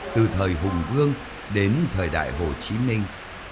từ thời hùng vương đến thời đại hồ chí minh